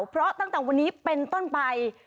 เพราะตั้งแต่วันนี้เป็นต้นไป